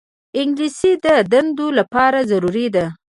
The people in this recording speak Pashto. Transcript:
انګلیسي د دندو لپاره ضروري ده